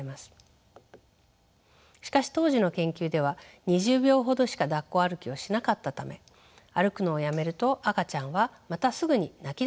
しかし当時の研究では２０秒ほどしかだっこ歩きをしなかったため歩くのをやめると赤ちゃんはまたすぐに泣きだしてしまいました。